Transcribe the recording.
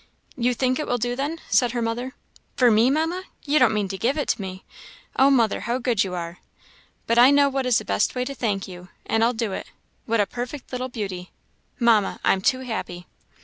"You think it will do, then?" said her mother. "For me, Mamma! You don't mean to give it to me? Oh, mother, how good you are! But I know what is the best way to thank you, and I'll do it. What a perfect little beauty! Mamma, I'm too happy!"